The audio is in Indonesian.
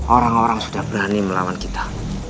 orang orang sudah berani melawan kita